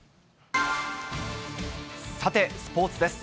さて、スポーツです。